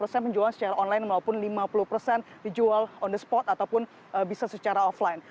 rp lima puluh penjualan secara online maupun rp lima puluh dijual on the spot ataupun bisa secara offline